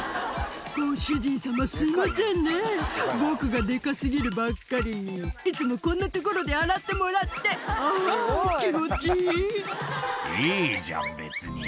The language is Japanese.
ご主人様、すみませんねぇ、僕がでかすぎるばっかりに、いつもこんな所で洗ってもらって、いいじゃん、別に。